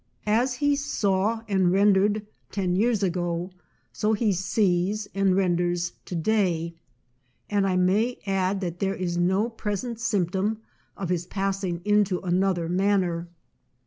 As he saw and "rendered" ten years ago, so he sees and renders to day; and I may add that there is no present symptom of his passing into another manner.